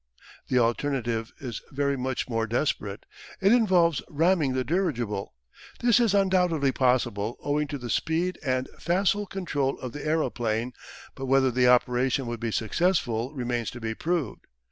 The alternative is very much more desperate. It involves ramming the dirigible. This is undoubtedly possible owing to the speed and facile control of the aeroplane, but whether the operation would be successful remains to be proved.